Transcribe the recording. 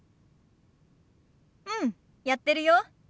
うんやってるよ。